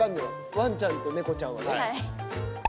ワンちゃんとネコちゃんはね。